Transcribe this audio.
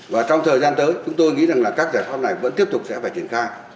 và trong thời gian tới chúng tôi nghĩ rằng là các giải pháp này vẫn tiếp tục sẽ phải triển khai